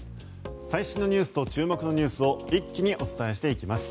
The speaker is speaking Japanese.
最新のニュースと注目のニュースを一気にお伝えします。